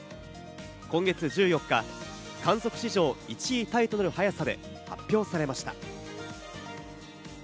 今月１４日、観測史上１位タイとなる速さで発表されました。